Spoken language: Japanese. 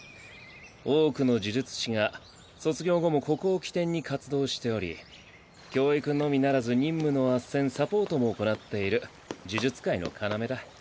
多くの呪術師が卒業後もここを起点に活動しており教育のみならず任務の斡旋サポートも行っている呪術界の要だ。